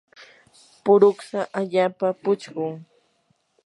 puruksa allaapa puchqun.